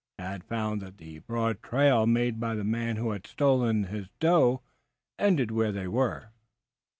Tad found that the broad trail made by the man who had stolen his doe ended where they were.